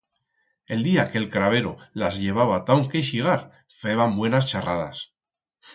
El día que el crabero las llevaba ta un queixigar, feban buenas charradas.